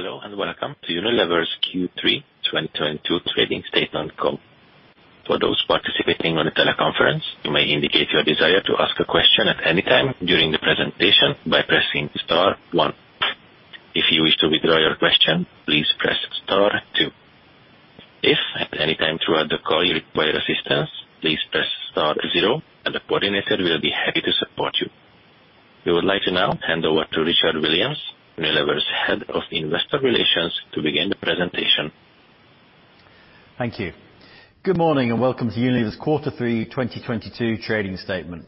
Hello and welcome to Unilever's Q3 2022 trading statement call. For those participating on the teleconference, you may indicate your desire to ask a question at any time during the presentation by pressing star one. If you wish to withdraw your question, please press star two. If at any time throughout the call you require assistance, please press star zero and the coordinator will be happy to support you. We would like to now hand over to Richard Williams, Unilever's Head of Investor Relations, to begin the presentation. Thank you. Good morning and welcome to Unilever's Q3 2022 trading statement.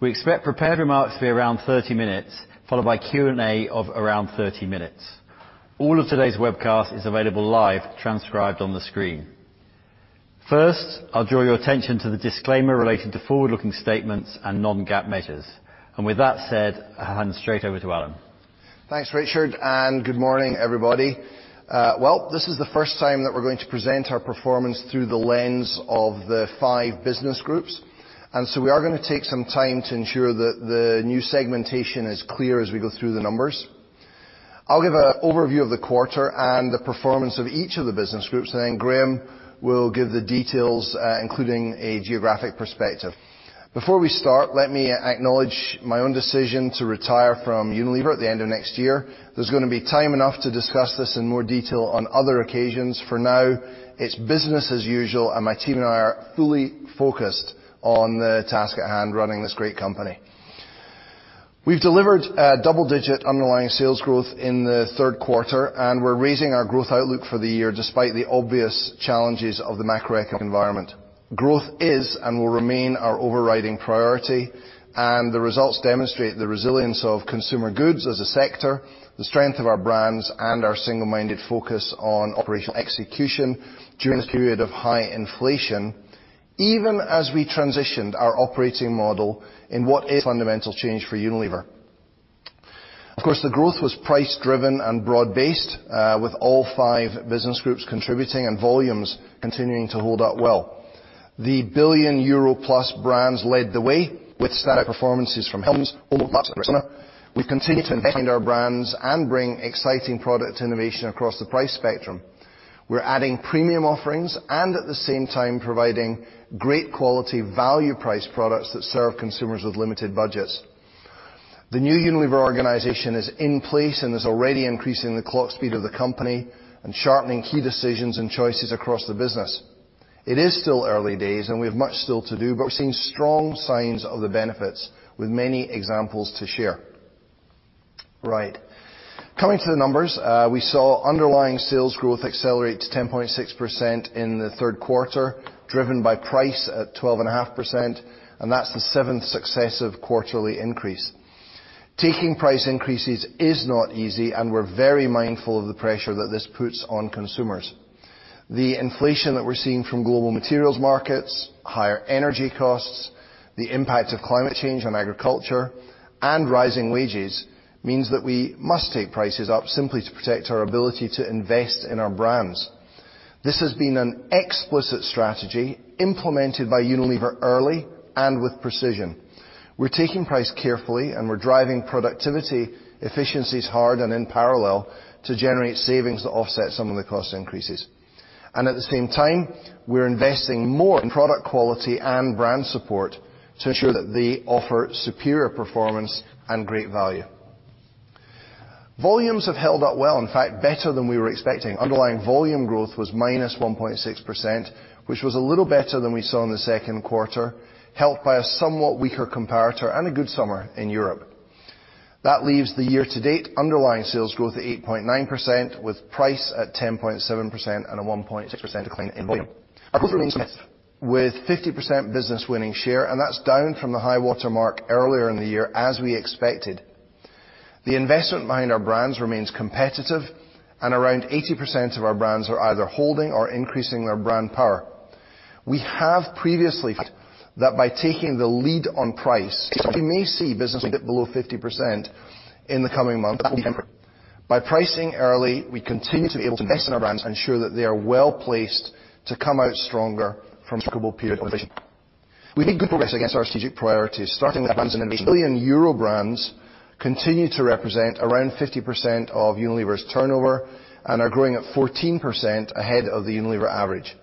We expect prepared remarks to be around 30 minutes, followed by Q&A of around 30 minutes. All of today's webcast is available live, transcribed on the screen. First, I'll draw your attention to the disclaimer related to forward-looking statements and non-GAAP measures. With that said, I'll hand straight over to Alan. Thanks, Richard, and good morning, everybody. This is the first time that we're going to present our performance through the lens of the five business groups, and so we are going to take some time to ensure that the new segmentation is clear as we go through the numbers. I'll give an overview of the quarter and the performance of each of the business groups, and then Graeme will give the details, including a geographic perspective. Before we start, let me acknowledge my own decision to retire from Unilever at the end of next year. There's going to be time enough to discuss this in more detail on other occasions. For now, it's business as usual, and my team and I are fully focused on the task at hand running this great company. We've delivered double-digit underlying sales growth in the third quarter and we're raising our growth outlook for the year despite the obvious challenges of the macroeconomic environment. Growth is and will remain our overriding priority and the results demonstrate the resilience of consumer goods as a sector. The strength of our brands and our single-minded focus on operational execution during this period of high inflation, even as we transitioned our operating model in what is fundamental change for Unilever. Of course, the growth was price-driven and broad-based with all five business groups contributing and volumes continuing to hold up well. The billion-euro-plus brands led the way with standout performances from Hellmann's, Dove, and Knorr. We continue to invest in our brands and bring exciting product innovation across the price spectrum. We're adding premium offerings and at the same time providing great quality value price products that serve consumers with limited budgets. The new Unilever organization is in place and is already increasing the clock speed of the company and sharpening key decisions and choices across the business. It is still early days, and we have much still to do but we're seeing strong signs of the benefits with many examples to share. Right.,coming to the numbers, we saw underlying sales growth accelerate to 10.6% in the third quarter driven by price at 12.5%, and that's the seventh successive quarterly increase. Taking price increases is not easy, and we're very mindful of the pressure that this puts on consumers. The inflation that we're seeing from global materials markets, higher energy costs, the impact of climate change on agriculture and rising wages means that we must take prices up simply to protect our ability to invest in our brands. This has been an explicit strategy implemented by Unilever early and with precision. We're taking price carefully, and we're driving productivity efficiencies hard and in parallel to generate savings to offset some of the cost increases. At the same time, we're investing more in product quality and brand support to ensure that they offer superior performance and great value. Volumes have held up well. In fact, better than we were expecting. Underlying volume growth was -1.6%, which was a little better than we saw in the second quarter, helped by a somewhat weaker comparator and a good summer in Europe. That leaves the year-to-date underlying sales growth at 8.9%, with price at 10.7% and a 1.6% decline in volume. With 50% business winning share, and that's down from the high-water mark earlier in the year, as we expected. The investment behind our brands remains competitive, and around 80% of our brands are either holding or increasing their brand power. We have previously said that by taking the lead on price. We may see business a bit below 50% in the coming months. By pricing early, we continue to be able to invest in our brands and ensure that they are well-placed to come out stronger from a struggle period. We've made good progress against our strategic priorities starting with brands and innovation. Billion-euro brands continue to represent around 50% of Unilever's turnover and are growing at 14% ahead of the Unilever average.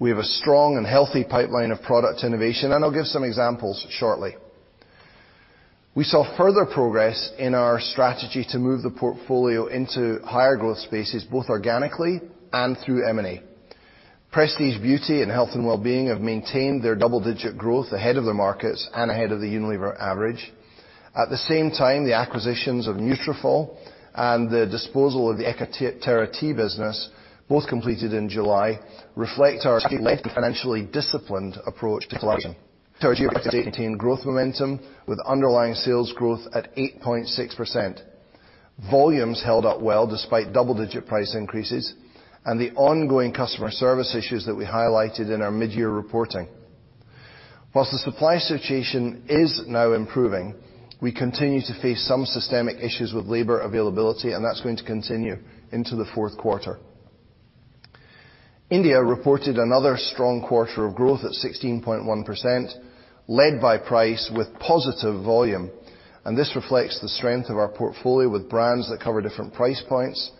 We have a strong and healthy pipeline of product innovation, and I'll give some examples shortly. We saw further progress in our strategy to move the portfolio into higher growth spaces both organically and through M&A. Prestige Beauty and Health & Wellbeing have maintained their double-digit growth ahead of the markets and ahead of the Unilever average. At the same time, the acquisitions of Nutrafol and the disposal of the ekaterra Tea business, both completed in July, reflect our financially disciplined approach to collaboration. Growth momentum with underlying sales growth at 8.6%. Volumes held up well despite double-digit price increases and the ongoing customer service issues that we highlighted in our mid-year reporting. While the supply situation is now improving, we continue to face some systemic issues with labor availability and that's going to continue into the fourth quarter. India reported another strong quarter of growth at 16.1%, led by price with positive volume. This reflects the strength of our portfolio with brands that cover different price points,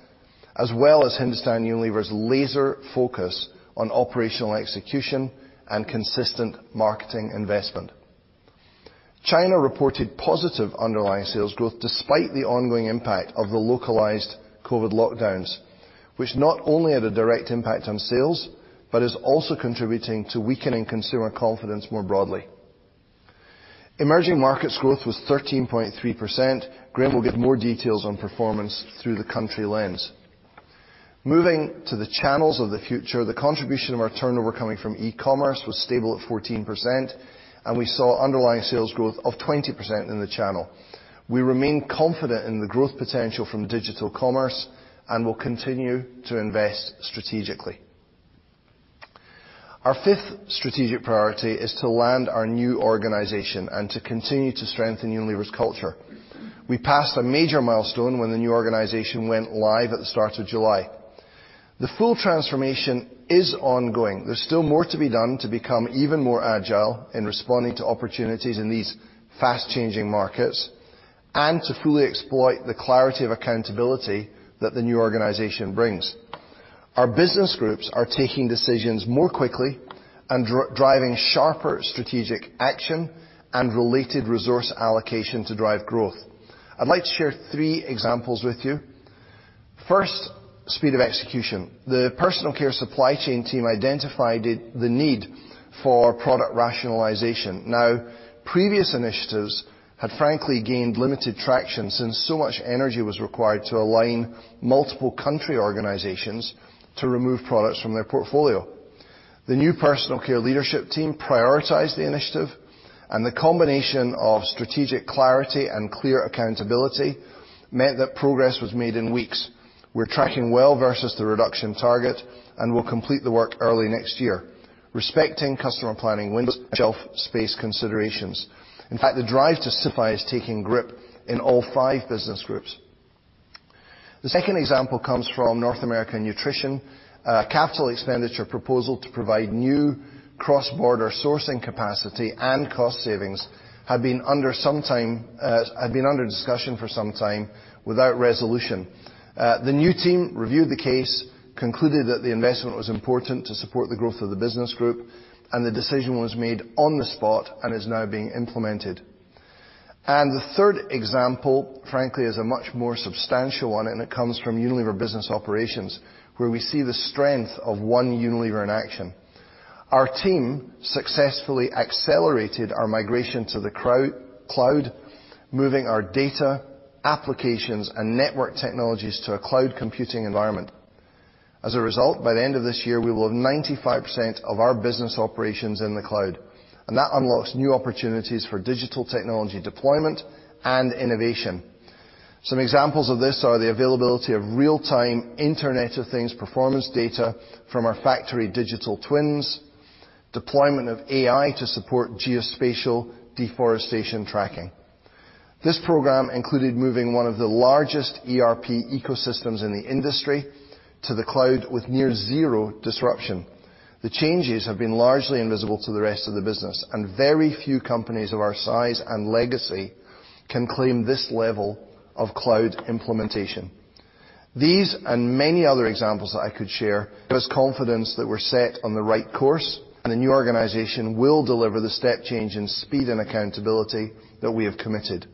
as well as Hindustan Unilever's laser focus on operational execution and consistent marketing investment. China reported positive underlying sales growth despite the ongoing impact of the localized COVID lockdowns, which not only had a direct impact on sales, but is also contributing to weakening consumer confidence more broadly. Emerging markets growth was 13.3%. Graeme will give more details on performance through the country lens. Moving to the channels of the future, the contribution of our turnover coming from e-commerce was stable at 14%, and we saw underlying sales growth of 20% in the channel. We remain confident in the growth potential from digital commerce and will continue to invest strategically. Our fifth strategic priority is to land our new organization and to continue to strengthen Unilever's culture. We passed a major milestone when the new organization went live at the start of July. The full transformation is ongoing. There's still more to be done to become even more agile in responding to opportunities in these fast-changing markets and to fully exploit the clarity of accountability that the new organization brings. Our business groups are taking decisions more quickly and driving sharper strategic action and related resource allocation to drive growth. I'd like to share three examples with you. First, speed of execution. The personal care supply chain team identified it, the need for product rationalization. Now, previous initiatives had frankly gained limited traction since so much energy was required to align multiple country organizations to remove products from their portfolio. The new personal care leadership team prioritized the initiative, and the combination of strategic clarity and clear accountability meant that progress was made in weeks. We're tracking well versus the reduction target and will complete the work early next year, respecting customer planning windows and shelf space considerations. In fact, the drive to simplify is taking grip in all five business groups. The second example comes from North American Nutrition, capital expenditure proposal to provide new cross-border sourcing capacity and cost savings had been under discussion for some time without resolution. The new team reviewed the case, concluded that the investment was important to support the growth of the business group, and the decision was made on the spot and is now being implemented. The third example, frankly, is a much more substantial one, and it comes from Unilever Business Operations, where we see the strength of one Unilever in action. Our team successfully accelerated our migration to the cloud, moving our data, applications, and network technologies to a cloud computing environment. As a result, by the end of this year, we will have 95% of our business operations in the cloud, and that unlocks new opportunities for digital technology deployment and innovation. Some examples of this are the availability of real-time Internet of Things performance data from our factory digital twins, deployment of AI to support geospatial deforestation tracking. This program included moving one of the largest ERP ecosystems in the industry to the cloud with near zero disruption. The changes have been largely invisible to the rest of the business, and very few companies of our size and legacy can claim this level of cloud implementation. These and many other examples that I could share give us confidence that we're set on the right course, and the new organization will deliver the step change in speed and accountability that we have committed.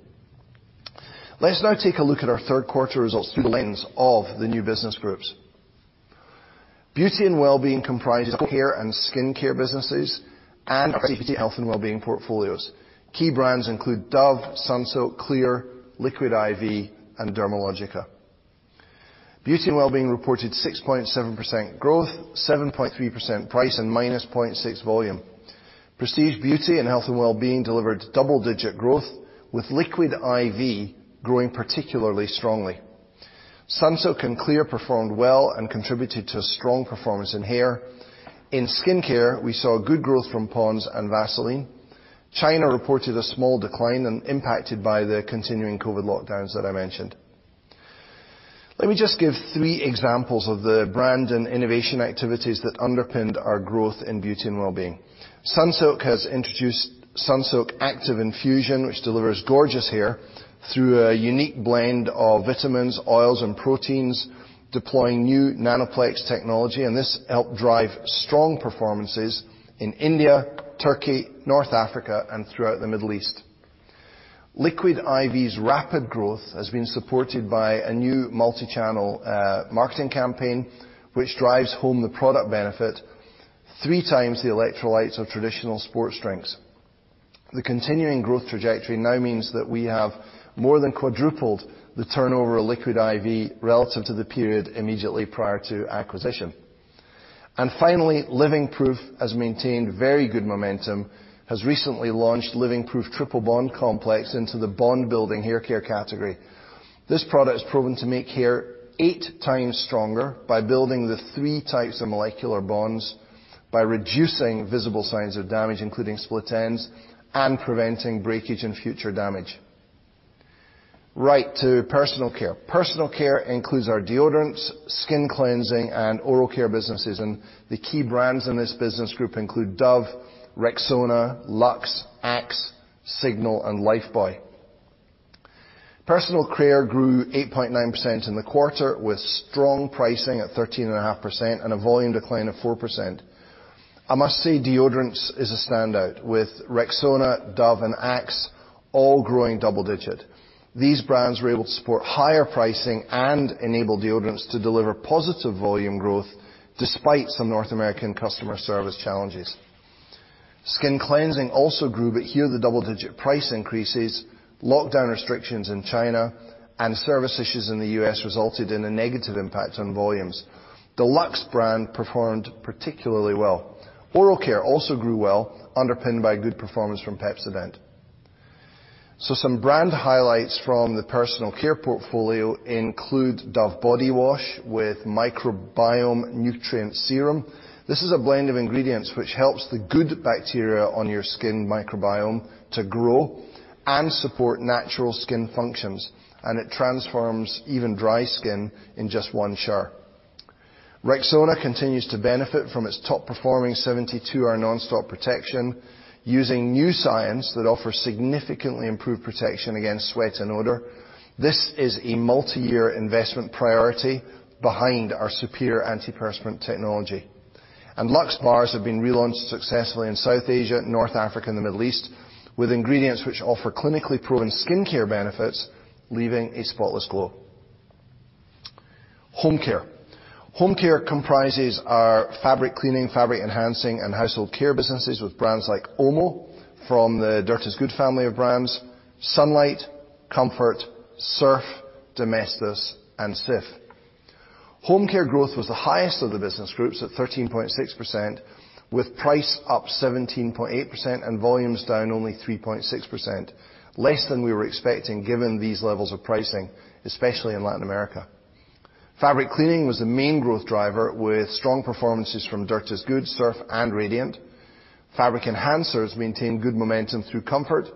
Let's now take a look at our third quarter results through the lens of the new business groups. Beauty & Wellbeing comprises our hair and skincare businesses and our CPT health and wellbeing portfolios. Key brands include Dove, Sunsilk, Clear, Liquid I.V., and Dermalogica. Beauty & Wellbeing reported 6.7% growth, 7.3% price, and -0.6% volume. Prestige Beauty and Health and Wellbeing delivered double-digit growth with Liquid I.V. growing particularly strongly. Sunsilk and Clear performed well and contributed to a strong performance in hair. In skincare, we saw good growth from Pond's and Vaseline. China reported a small decline impacted by the continuing COVID lockdowns that I mentioned. Let me just give three examples of the brand and innovation activities that underpinned our growth in Beauty and Wellbeing. Sunsilk has introduced Sunsilk Active Infusion, which delivers gorgeous hair through a unique blend of vitamins, oils, and proteins, deploying new Nanoplex technology, and this helped drive strong performances in India, Turkey, North Africa, and throughout the Middle East. Liquid I.V.'s rapid growth has been supported by a new multi-channel marketing campaign, which drives home the product benefit three times the electrolytes of traditional sports drinks. The continuing growth trajectory now means that we have more than quadrupled the turnover of Liquid I.V. relative to the period immediately prior to acquisition. Finally, Living Proof has maintained very good momentum, has recently launched Living Proof Triple Bond Complex into the bond building hair care category. This product is proven to make hair eight times stronger by building the three types of molecular bonds by reducing visible signs of damage, including split ends and preventing breakage and future damage. Right to personal care, personal care includes our deodorants, skin cleansing, and oral care businesses, and the key brands in this business group include Dove, Rexona, Lux, Axe, Signal, and Lifebuoy. Personal care grew 8.9% in the quarter, with strong pricing at 13.5% and a volume decline of 4%. I must say deodorants is a standout, with Rexona, Dove, and Axe all growing double-digit. These brands were able to support higher pricing and enable deodorants to deliver positive volume growth despite some North American customer service challenges. Skin cleansing also grew, but here the double-digit price increases, lockdown restrictions in China, and service issues in the U.S. resulted in a negative impact on volumes. The Lux brand performed particularly well. Oral care also grew well, underpinned by good performance from Pepsodent. Some brand highlights from the personal care portfolio include Dove body wash with microbiome nutrient serum. This is a blend of ingredients which helps the good bacteria on your skin microbiome to grow and support natural skin functions, and it transforms even dry skin in just one shower. Rexona continues to benefit from its top performing 72-hour nonstop protection, using new science that offers significantly improved protection against sweat and odor. This is a multi-year investment priority behind our superior antiperspirant technology. Lux bars have been relaunched successfully in South Asia, North Africa, and the Middle East, with ingredients which offer clinically proven skin care benefits, leaving a spotless glow. Home care. Home care comprises our fabric cleaning, fabric enhancing, and household care businesses with brands like Omo, from the Dirt is Good family of brands, Sunlight, Comfort, Surf, Domestos, and Cif. Home care growth was the highest of the business groups at 13.6%, with price up 17.8% and volumes down only 3.6%. Less than we were expecting given these levels of pricing, especially in Latin America. Fabric cleaning was the main growth driver with strong performances from Dirt is Good, Surf, and Radiant. Fabric enhancers maintained good momentum through Comfort,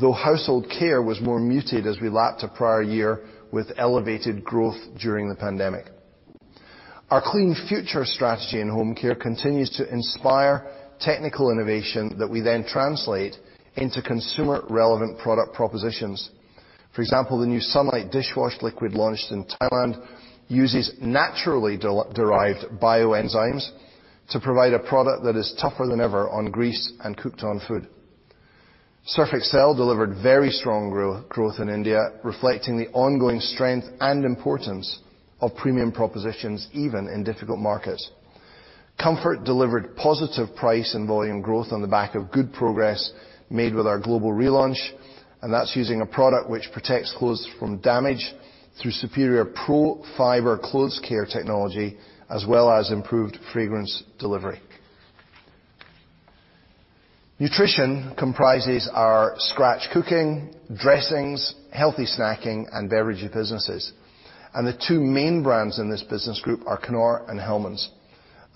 though household care was more muted as we lapped a prior year with elevated growth during the pandemic. Our Clean Future strategy in home care continues to inspire technical innovation that we then translate into consumer relevant product propositions. For example, the new Sunlight dishwash liquid launched in Thailand uses naturally derived bioenzymes to provide a product that is tougher than ever on grease and cooked-on food. Surf Excel delivered very strong growth in India, reflecting the ongoing strength and importance of premium propositions even in difficult markets. Comfort delivered positive price and volume growth on the back of good progress made with our global relaunch, and that's using a product which protects clothes from damage through superior Pro-Fibre Technology, as well as improved fragrance delivery. Nutrition comprises our scratch cooking, dressings, healthy snacking, and beverage businesses, and the two main brands in this business group are Knorr and Hellmann's.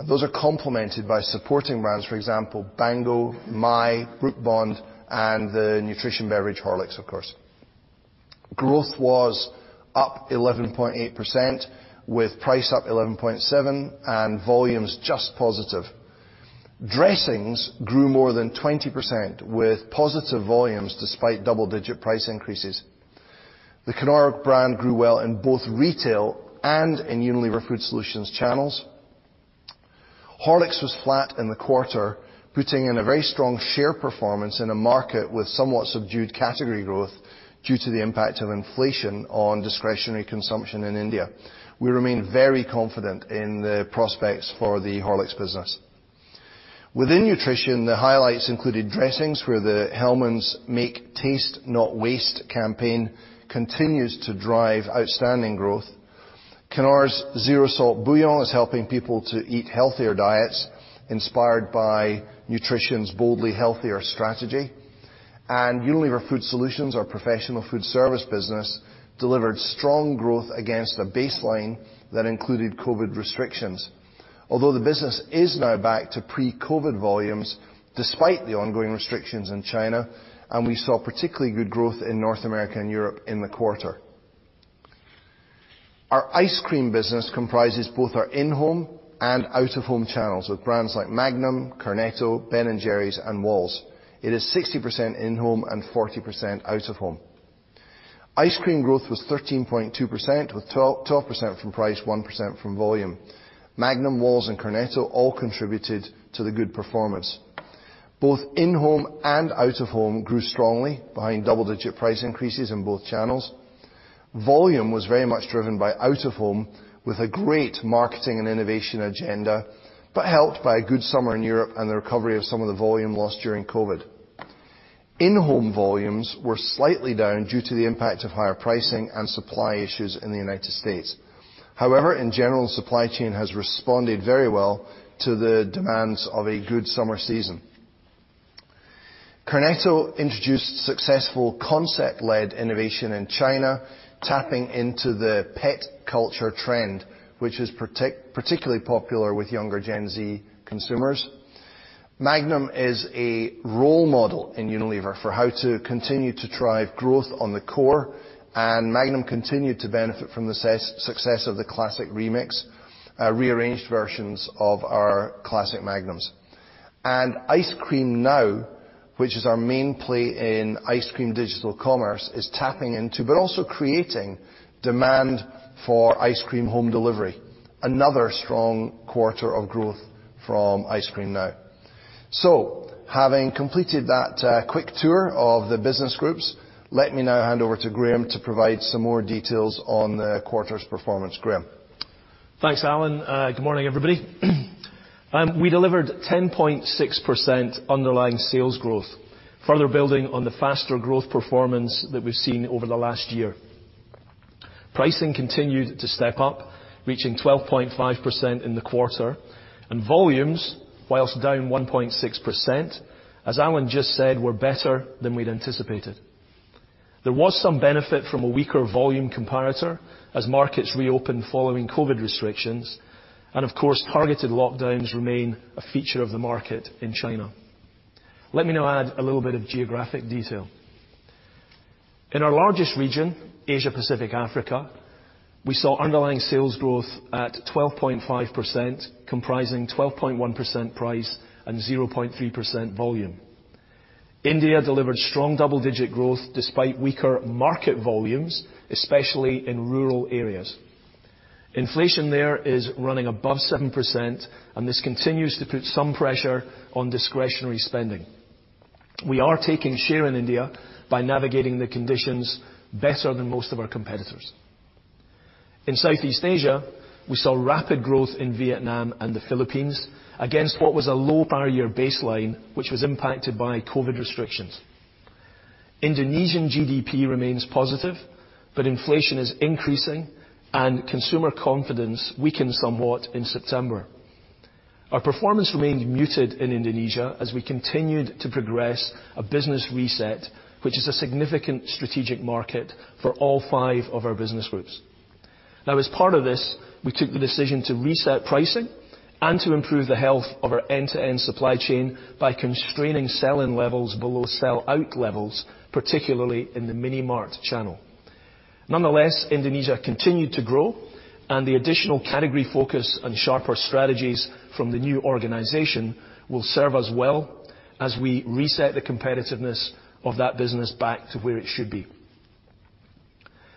Those are complemented by supporting brands, for example, Bango, Maille, Brooke Bond, and the nutrition beverage Horlicks, of course. Growth was up 11.8%, with price up 11.7% and volumes just positive. Dressings grew more than 20% with positive volumes despite double-digit price increases. The Knorr brand grew well in both retail and in Unilever Food Solutions channels. Horlicks was flat in the quarter, putting in a very strong share performance in a market with somewhat subdued category growth due to the impact of inflation on discretionary consumption in India. We remain very confident in the prospects for the Horlicks business. Within nutrition, the highlights included dressings, where the Hellmann's Make Taste Not Waste campaign continues to drive outstanding growth. Knorr's zero salt bouillon is helping people to eat healthier diets inspired by nutrition's boldly healthier strategy. Unilever Food Solutions, our professional food service business, delivered strong growth against a baseline that included COVID restrictions. Although the business is now back to pre-COVID volumes, despite the ongoing restrictions in China, and we saw particularly good growth in North America and Europe in the quarter. Our ice cream business comprises both our in-home and out-of-home channels with brands like Magnum, Cornetto, Ben & Jerry's, and Wall's. It is 60% in-home and 40% out-of-home. Ice cream growth was 13.2%, with 12% from price, 1% from volume. Magnum, Wall's, and Cornetto all contributed to the good performance. Both in-home and out-of-home grew strongly behind double-digit price increases in both channels. Volume was very much driven by out-of-home with a great marketing and innovation agenda but helped by a good summer in Europe and the recovery of some of the volume lost during COVID. In-home volumes were slightly down due to the impact of higher pricing and supply issues in the United States. However, in general, supply chain has responded very well to the demands of a good summer season. Cornetto introduced successful concept-led innovation in China, tapping into the pet culture trend, which is particularly popular with younger Gen Z consumers. Magnum is a role model in Unilever for how to continue to drive growth on the core, and Magnum continued to benefit from the success of the Classic Remix, rearranged versions of our classic Magnums. Ice Cream Now, which is our main play in ice cream digital commerce, is tapping into, but also creating, demand for ice cream home delivery. Another strong quarter of growth from Ice Cream Now. Having completed that quick tour of the business groups, let me now hand over to Graeme to provide some more details on the quarter's performance. Graeme? Thanks, Alan. Good morning, everybody. We delivered 10.6% underlying sales growth, further building on the faster growth performance that we've seen over the last year. Pricing continued to step up reaching 12.5% in the quarter, and volumes while down 1.6%. As Alan just said, were better than we'd anticipated. There was some benefit from a weaker volume comparator as markets reopened following COVID restrictions and of course targeted lockdowns remain a feature of the market in China. Let me now add a little bit of geographic detail. In our largest region, Asia-Pacific Africa, we saw underlying sales growth at 12.5%, comprising 12.1% price and 0.3% volume. India delivered strong double-digit growth despite weaker market volumes especially in rural areas. Inflation there is running above 7% and this continues to put some pressure on discretionary spending. We are taking share in India by navigating the conditions better than most of our competitors. In Southeast Asia, we saw rapid growth in Vietnam and the Philippines against what was a low base baseline, which was impacted by COVID restrictions. Indonesian GDP remains positive, but inflation is increasing, and consumer confidence weakened somewhat in September. Our performance remained muted in Indonesia as we continued to progress a business reset, which is a significant strategic market for all five of our business groups. Now as part of this, we took the decision to reset pricing and to improve the health of our end-to-end supply chain by constraining sell-in levels below sell-out levels, particularly in the mini mart channel. Nonetheless, Indonesia continued to grow, and the additional category focus and sharper strategies from the new organization will serve us well as we reset the competitiveness of that business back to where it should be.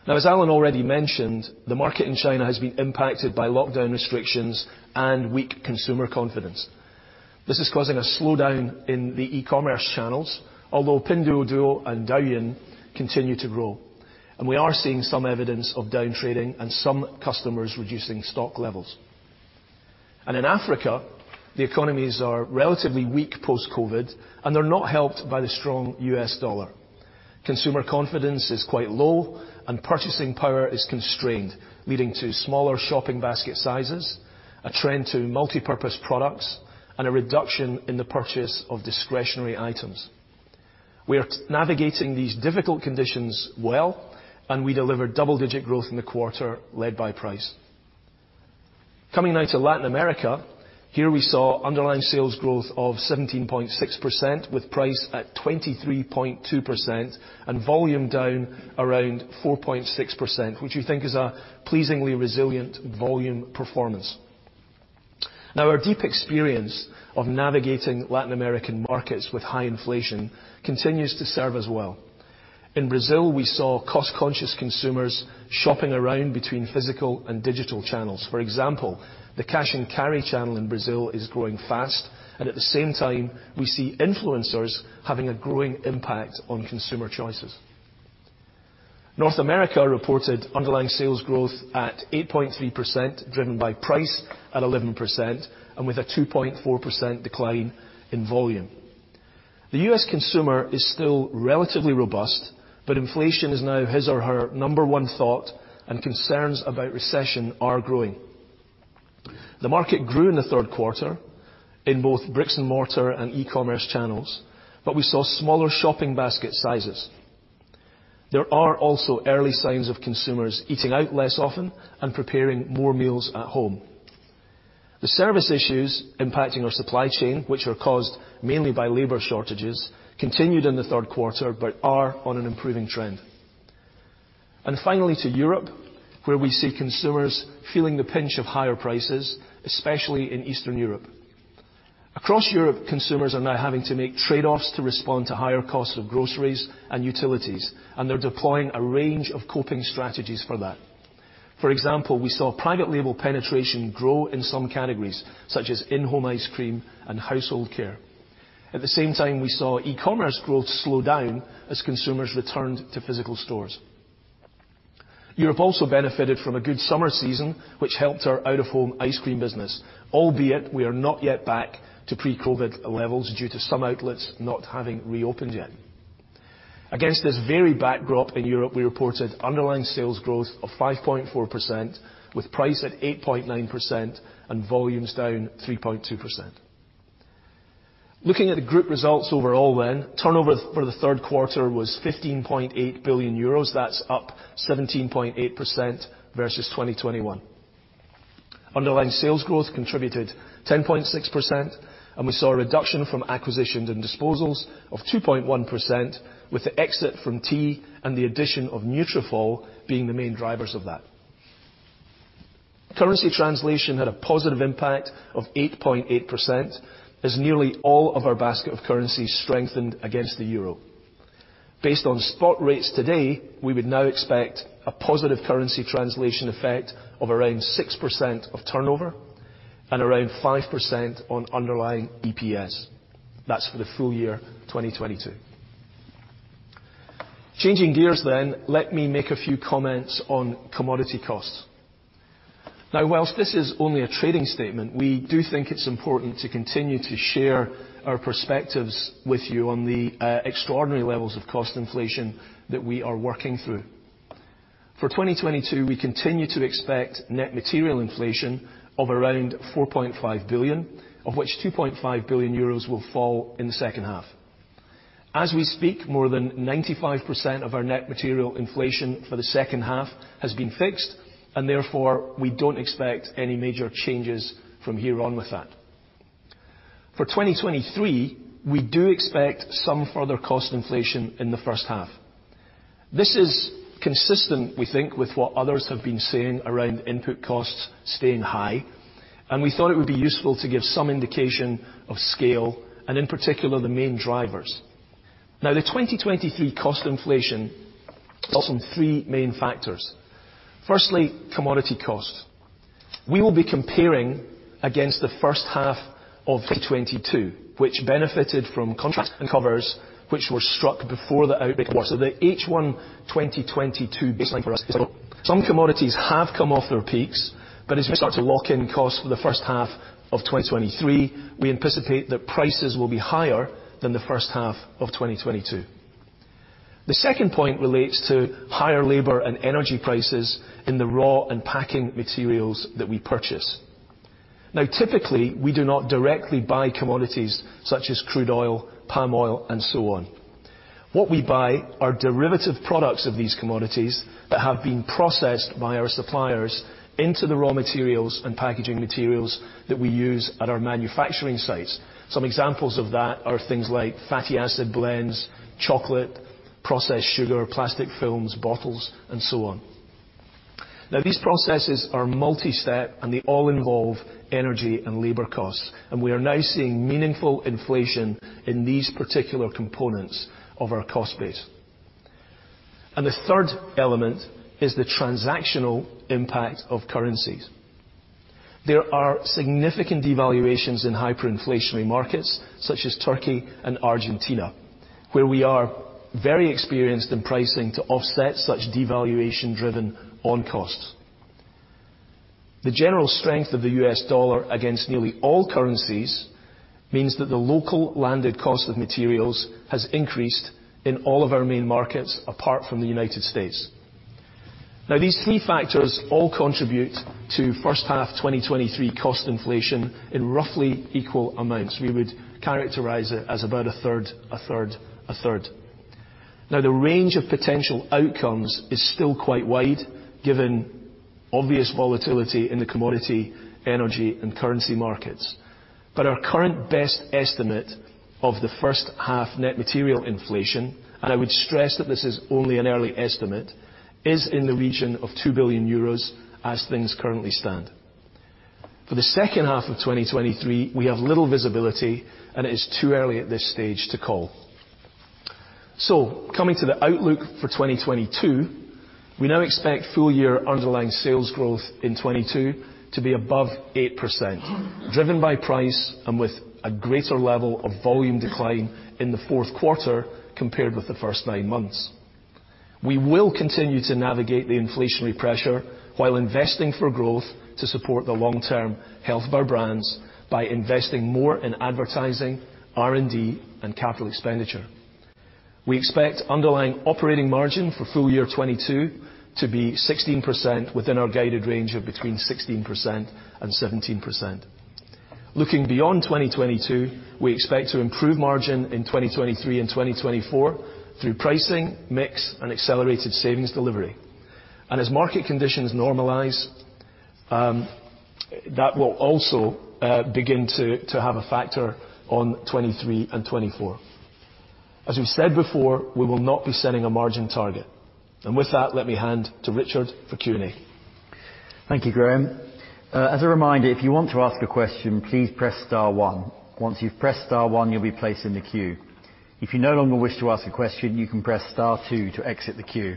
Now, as Alan already mentioned the market in China has been impacted by lockdown restrictions and weak consumer confidence. This is causing a slowdown in the e-commerce channels, although Pinduoduo and Douyin continue to grow, and we are seeing some evidence of downtrading and some customers reducing stock levels. In Africa, the economies are relatively weak post-COVID, and they're not helped by the strong US dollar. Consumer confidence is quite low, and purchasing power is constrained leading to smaller shopping basket sizes a trend to multipurpose products and a reduction in the purchase of discretionary items. We are navigating these difficult conditions well, and we delivered double-digit growth in the quarter, led by price. Coming now to Latin America, here we saw underlying sales growth of 17.6%, with price at 23.2% and volume down around 4.6%, which we think is a pleasingly resilient volume performance. Now our deep experience of navigating Latin American markets with high inflation continues to serve us well. In Brazil, we saw cost-conscious consumers shopping around between physical and digital channels. For example, the cash and carry channel in Brazil is growing fast, and at the same time, we see influencers having a growing impact on consumer choices. North America reported underlying sales growth at 8.3%, driven by price at 11% and with a 2.4% decline in volume. The U.S. consumer is still relatively robust, but inflation is now his or her number one thought, and concerns about recession are growing. The market grew in the third quarter in both bricks-and-mortar and e-commerce channels, but we saw smaller shopping basket sizes. There are also early signs of consumers eating out less often and preparing more meals at home. The service issues impacting our supply chain, which were caused mainly by labor shortages, continued in the third quarter but are on an improving trend. Finally to Europe, where we see consumers feeling the pinch of higher prices especially in Eastern Europe. Across Europe, consumers are now having to make trade-offs to respond to higher costs of groceries and utilities, and they're deploying a range of coping strategies for that. For example, we saw private label penetration grow in some categories, such as in-home ice cream and household care. At the same time, we saw e-commerce growth slow down as consumers returned to physical stores. Europe also benefited from a good summer season, which helped our out-of-home ice cream business, albeit we are not yet back to pre-COVID levels due to some outlets not having reopened yet. Against this very backdrop in Europe, we reported underlying sales growth of 5.4%, with price at 8.9% and volumes down 3.2%. Looking at the group results overall then, turnover for the third quarter was 15.8 billion euros. That's up 17.8% versus 2021. Underlying sales growth contributed 10.6%, and we saw a reduction from acquisitions and disposals of 2.1% with the exit from tea and the addition of Nutrafol being the main drivers of that. Currency translation had a positive impact of 8.8%, as nearly all of our basket of currencies strengthened against the euro. Based on spot rates today, we would now expect a positive currency translation effect of around 6% of turnover and around 5% on underlying EPS. That's for the full year 2022. Changing gears, let me make a few comments on commodity costs. Now, while this is only a trading statement, we do think it's important to continue to share our perspectives with you on the extraordinary levels of cost inflation that we are working through. For 2022, we continue to expect net material inflation of around 4.5 billion, of which 2.5 billion euros will fall in the H2. As we speak, more than 95% of our net material inflation for theH2 has been fixed, and therefore, we don't expect any major changes from here on with that. For 2023, we do expect some further cost inflation in the H1. This is consistent, we think, with what others have been saying around input costs staying high, and we thought it would be useful to give some indication of scale, and in particular, the main drivers. Now, the 2023 cost inflation draws on three main factors. Firstly, commodity costs. We will be comparing against the H1 of 2022, which benefited from contracts and covers which were struck before the outbreak of war. The H1 2022 baseline for us is low. Some commodities have come off their peaks but as we start to lock in costs for the H1 of 2023. We anticipate that prices will be higher than the H1 of 2022. The second point relates to higher labor and energy prices in the raw and packing materials that we purchase. Now typically, we do not directly buy commodities such as crude oil, palm oil, and so on. What we buy are derivative products of these commodities that have been processed by our suppliers into the raw materials and packaging materials that we use at our manufacturing sites. Some examples of that are things like fatty acid blends, chocolate, processed sugar, plastic films, bottles, and so on. Now, these processes are multistep, and they all involve energy and labor costs and we are now seeing meaningful inflation in these particular components of our cost base. The third element is the transactional impact of currencies. There are significant devaluations in hyperinflationary markets. Such as, Turkey and Argentina, where we are very experienced in pricing to offset such devaluation driven on costs. The general strength of the U.S. dollar against nearly all currencies means that the local landed cost of materials has increased in all of our main markets, apart from the United States. Now, these three factors all contribute to H1 2023 cost inflation in roughly equal amounts. We would characterize it as about a third, a third, a third. Now, the range of potential outcomes is still quite wide given obvious volatility in the commodity energy and currency markets. Our current best estimate of the H1 net material inflation, and I would stress that this is only an early estimate, is in the region of 2 billion euros as things currently stand. For the H2 of 2023, we have little visibility and it is too early at this stage to call. Coming to the outlook for 2022, we now expect full year underlying sales growth in 2022 to be above 8%, driven by price and with a greater level of volume decline in the fourth quarter compared with the first nine months. We will continue to navigate the inflationary pressure while investing for growth to support the long-term health of our brands by investing more in advertising, R&D, and capital expenditure. We expect underlying operating margin for full year 2022 to be 16% within our guided range of between 16% and 17%. Looking beyond 2022, we expect to improve margin in 2023 and 2024 through pricing, mix, and accelerated savings delivery. As market conditions normalize, that will also begin to have a factor on 2023 and 2024. As we've said before, we will not be setting a margin target. With that, let me hand to Richard for Q&A. Thank you, Graeme. As a reminder, if you want to ask a question, please press star one. Once you've pressed star one, you'll be placed in the queue. If you no longer wish to ask a question, you can press star two to exit the queue.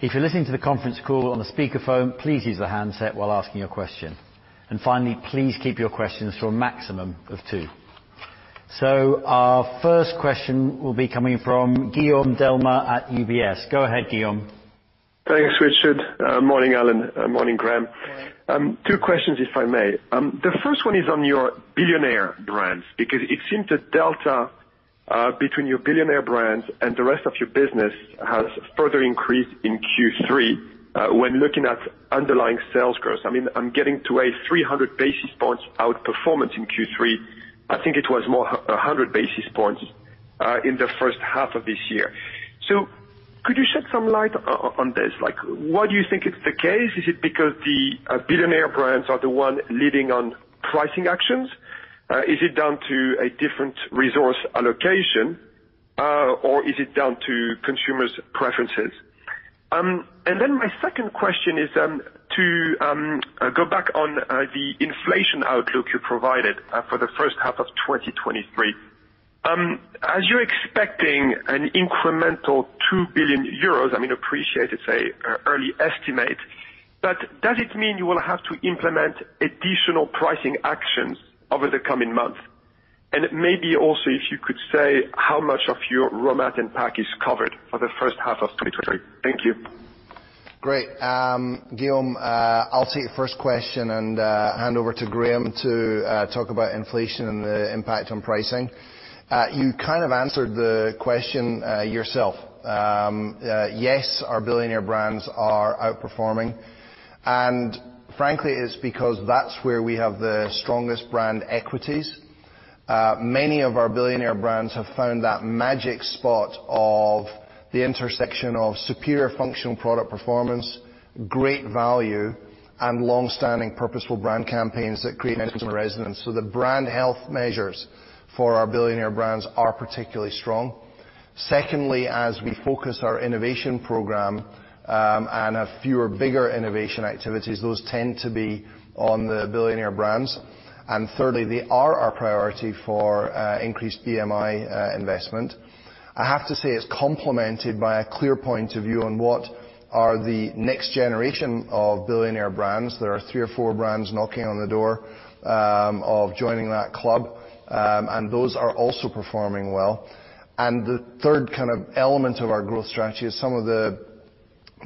If you're listening to the conference call on the speakerphone, please use the handset while asking your question. Finally, please keep your questions to a maximum of two. Our first question will be coming from Guillaume Delmas at UBS. Go ahead, Guillaume. Thanks, Richard. Morning, Alan. Morning, Graeme. Morning. Two questions, if I may. The first one is on your billion-euro brands, because it seems the delta between your billion-euro brands and the rest of your business has further increased in Q3, when looking at underlying sales growth. I mean, I'm getting to a 300 basis points outperformance in Q3. I think it was more a 100 basis points in the H1 of this year. Could you shed some light on this? Like, why do you think it's the case? Is it because the billion-euro brands are the one leading on pricing actions? Is it down to a different resource allocation or is it down to consumers' preferences? My second question is to go back on the inflation outlook you provided for the H1 of 2023. As you're expecting an incremental 2 billion euros, I mean, appreciate it's an early estimate, but does it mean you will have to implement additional pricing actions over the coming months? Maybe also if you could say how much of your raw materials and packaging is covered for the H1 of 2023. Thank you. Great. Guillaume, I'll take first question and hand over to Graeme to talk about inflation and the impact on pricing. You kind of answered the question yourself. Yes, our billionaire brands are outperforming, and frankly, it's because that's where we have the strongest brand equities. Many of our billionaire brands have found that magic spot of the intersection of superior functional product performance great value and long-standing purposeful brand campaigns that create customer resonance. The brand health measures for our billionaire brands are particularly strong. Secondly, as we focus our innovation program and have fewer bigger innovation activities, those tend to be on the billionaire brands. Thirdly, they are our priority for increased BMI investment. I have to say, it's complemented by a clear point of view on what are the next generation of billionaire brands. There are three or four brands knocking on the door of joining that club, and those are also performing well. The third kind of element of our growth strategy is some of the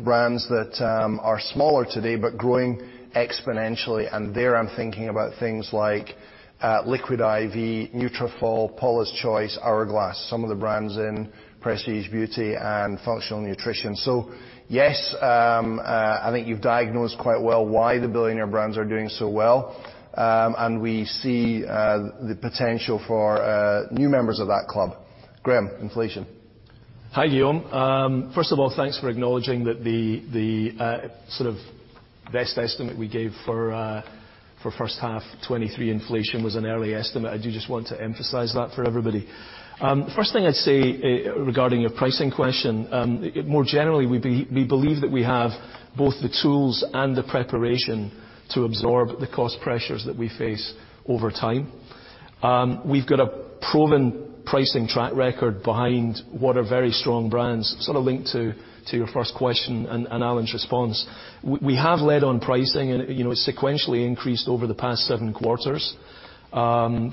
brands that are smaller today but growing exponentially, and there I'm thinking about things like Liquid I.V., Nutrafol, Paula's Choice, Hourglass some of the brands in prestige beauty and functional nutrition. Yes, I think you've diagnosed quite well why the billionaire brands are doing so well. We see the potential for new members of that club. Graeme, inflation. Hi, Guillaume. First of all, thanks for acknowledging that the sort of best estimate we gave for H1 2023 inflation was an early estimate. I do just want to emphasize that for everybody. First thing I'd say, regarding your pricing question, more generally, we believe that we have both the tools and the preparation to absorb the cost pressures that we face over time. We've got a proven pricing track record behind what are very strong brands sort of linked to your first question and Alan's response. We have led on pricing and, you know, sequentially increased over the past Q7.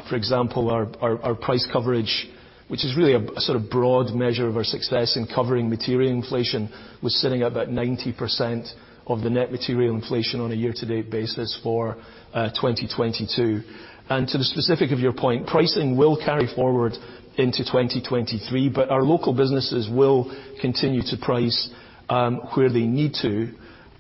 For example, our price coverage, which is really a sort of broad measure of our success in covering material inflation, was sitting at about 90% of the net material inflation on a year-to-date basis for 2022. To the specific of your point, pricing will carry forward into 2023, but our local businesses will continue to price where they need to,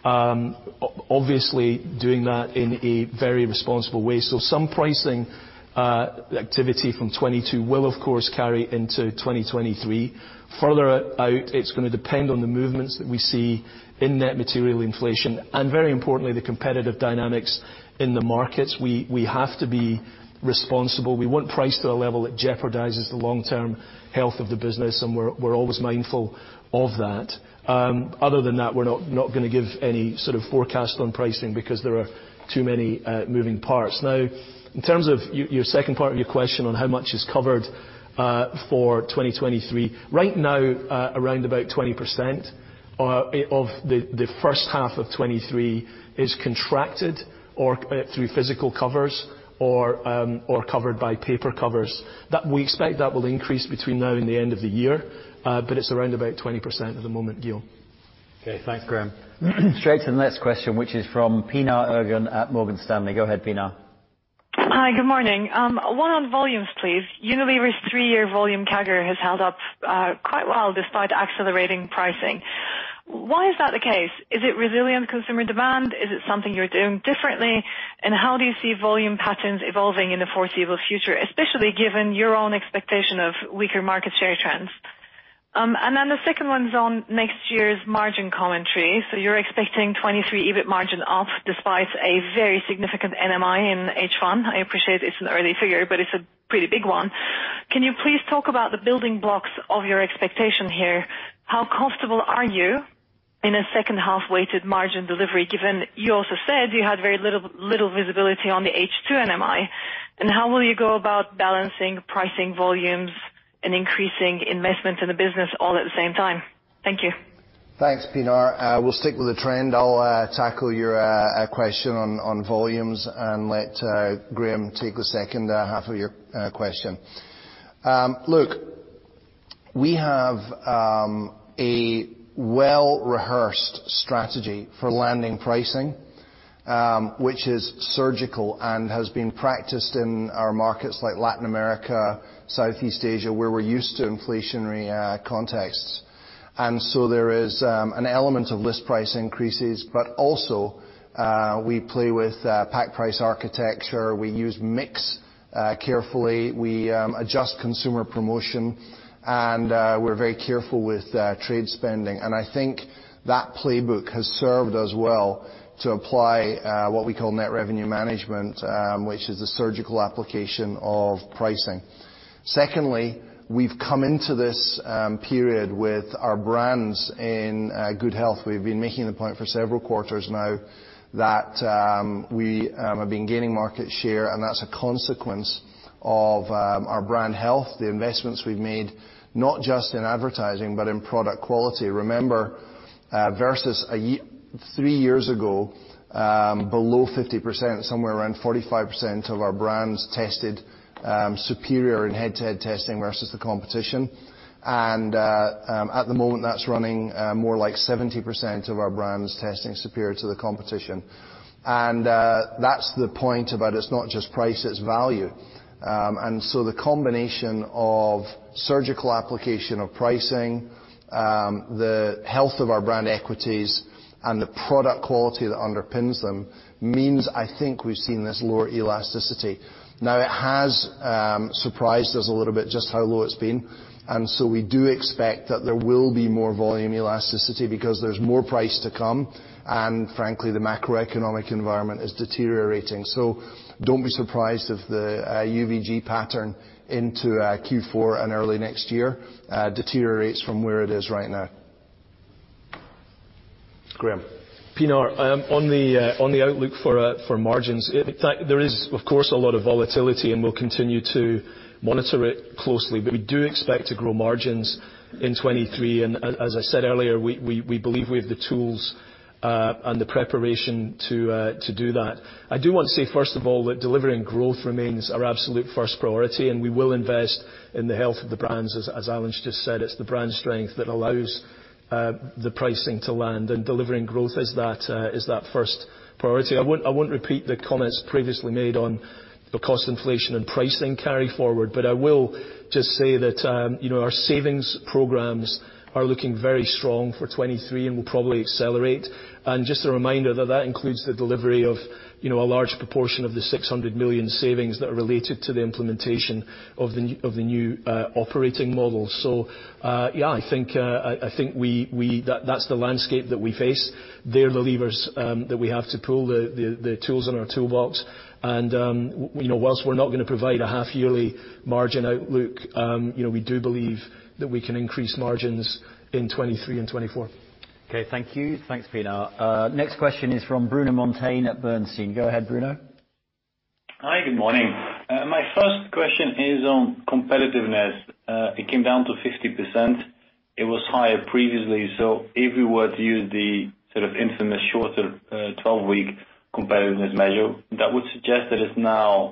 obviously doing that in a very responsible way. Some pricing activity from 2022 will, of course, carry into 2023. Further out, it's gonna depend on the movements that we see in net material inflation and very importantly, the competitive dynamics in the markets. We have to be responsible. We won't price to a level that jeopardizes the long-term health of the business, and we're always mindful of that. Other than that, we're not gonna give any sort of forecast on pricing because there are too many moving parts. Now, in terms of your second part of your question on how much is covered for 2023. Right now, around about 20% of the H1 of 2023 is contracted or through physical covers or covered by paper covers. We expect that will increase between now and the end of the year but it's around about 20% at the moment, Guillaume. Okay. Thanks, Graeme. Straight to the next question, which is from Pinar Ergun at Morgan Stanley. Go ahead, Pinar. Hi. Good morning. One on volumes, please. Unilever's three-year volume CAGR has held up quite well despite accelerating pricing. Why is that the case? Is it resilient consumer demand? Is it something you're doing differently? And how do you see volume patterns evolving in the foreseeable future, especially given your own expectation of weaker market share trends? Then the second one's on next year's margin commentary. You're expecting 2023 EBIT margin up despite a very significant NMI in H1. I appreciate it's an early figure, but it's a pretty big one. Can you please talk about the building blocks of your expectation here? How comfortable are you in a H2 weighted margin delivery, given you also said you had very little visibility on the H2 NMI? How will you go about balancing pricing volumes and increasing investment in the business all at the same time? Thank you. Thanks, Pinar. We'll stick with the trend. I'll tackle your question on volumes and let Graeme take the H2 of your question. Look, we have a well-rehearsed strategy for landing pricing, which is surgical and has been practiced in our markets like Latin America, Southeast Asia, where we're used to inflationary contexts. There is an element of list price increases, but also we play with pack price architecture. We use mix carefully. We adjust consumer promotion, and we're very careful with trade spending. I think that playbook has served us well to apply what we call net revenue management which is the surgical application of pricing. Secondly, we've come into this period with our brands in good health. We've been making the point for several quarters now that we have been gaining market share and that's a consequence of our brand health. The investments we've made not just in advertising but in product quality. Remember, versus three years ago below 50%, somewhere around 45% of our brands tested superior in head-to-head testing versus the competition. At the moment, that's running more like 70% of our brands testing superior to the competition. That's the point about it's not just price, it's value. The combination of surgical application of pricing, the health of our brand equities and the product quality that underpins them means I think we've seen this lower elasticity. Now, it has surprised us a little bit just how low it's been, and we do expect that there will be more volume elasticity because there's more price to come and frankly, the macroeconomic environment is deteriorating. Don't be surprised if the UVG pattern into Q4 and early next year deteriorates from where it is right now. Graham? Pinar, on the outlook for margins, in fact, there is of course a lot of volatility, and we'll continue to monitor it closely. We do expect to grow margins in 2023, and as I said earlier, we believe we have the tools and the preparation to do that. I do want to say, first of all that delivering growth remains our absolute first priority, and we will invest in the health of the brands. As Alan's just said, it's the brand strength that allows the pricing to land and delivering growth is that first priority. I won't repeat the comments previously made on the cost inflation and pricing carry forward, but I will just say that, you know, our savings programs are looking very strong for 2023, and we'll probably accelerate. Just a reminder that that includes the delivery of, you know, a large proportion of the 600 million savings that are related to the implementation of the new operating model. Yeah, I think. That's the landscape that we face. They're the levers that we have to pull, the tools in our toolbox and, you know, while we're not gonna provide a half-yearly margin outlook, you know, we do believe that we can increase margins in 2023 and 2024. Okay, thank you. Thanks, Pinar. Next question is from Bruno Monteyne at Bernstein. Go ahead, Bruno. Hi, good morning. My first question is on competitiveness. It came down to 50%. It was higher previously. If we were to use the sort of infamous shorter 12-week competitiveness measure, that would suggest that it's now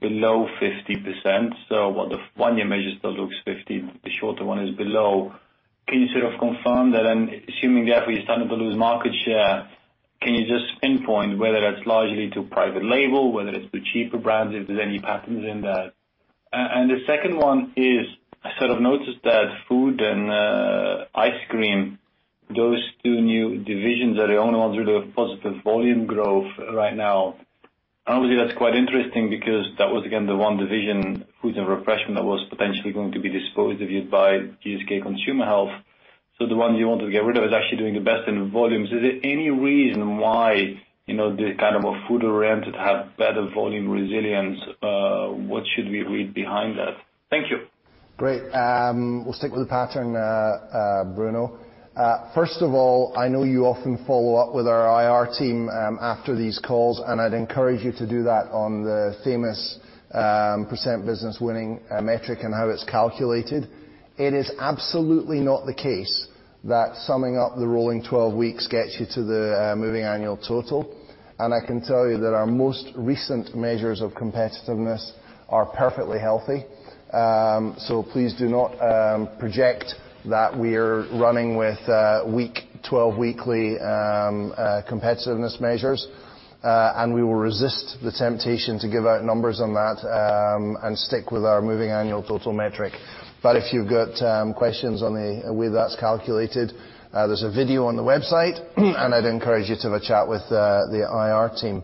below 50%. While the one-year measure still looks 50%, the shorter one is below. Can you sort of confirm that? Assuming therefore you're starting to lose market share, can you just pinpoint whether that's largely to private label whether it's to cheaper brands if there's any patterns in that? The second one is, I sort of noticed that food and ice cream those two new divisions are the only ones with a positive volume growth right now. Obviously, that's quite interesting because that was, again, the one division, food and refreshment, that was potentially going to be disposed of by GSK Consumer Health. The one you wanted to get rid of is actually doing the best in volumes. Is there any reason why, you know, the kind of a food-oriented had better volume resilience? What should we read behind that? Thank you. Great. We'll stick with the pattern, Bruno. First of all, I know you often follow up with our IR team after these calls, and I'd encourage you to do that on the famous business winning metric and how it's calculated. It is absolutely not the case that summing up the rolling 12 weeks gets you to the moving annual total. I can tell you that our most recent measures of competitiveness are perfectly healthy. So please do not project that we're running with 12-weekly competitiveness measures. We will resist the temptation to give out numbers on that and stick with our moving annual total metric. If you've got questions on the way that's calculated there's a video on the website, and I'd encourage you to have a chat with the IR team.